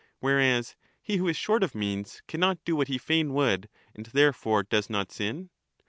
whereas he who is short of means cannot do what he fain would, and therefore does not sin?